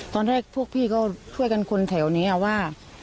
ตอนแรกพวกพี่ก็ช่วยกันคนแถวนี้ว่า